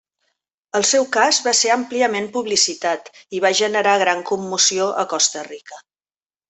El seu cas va ser àmpliament publicitat i va generar gran commoció a Costa Rica.